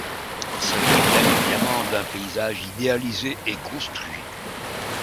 Il s'agit bien évidemment d'un paysage idéalisé et construit.